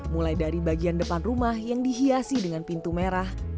mulai dari bagian depan rumah yang dihiasi dengan pintu merah